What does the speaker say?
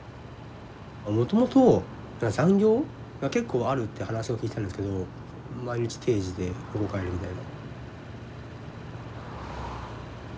もともと残業が結構あるって話を聞いてたんですけど毎日定時でほぼ帰るみたいな。